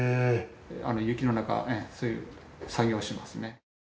雪の中そういう作業をしますね。